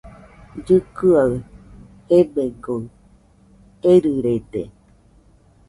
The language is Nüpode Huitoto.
Llɨkɨaɨ gebegoɨ erɨrede.